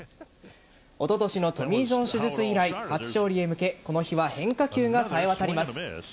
おととしのトミー・ジョン手術以来初勝利へ向けこの日は変化球がさえわたります。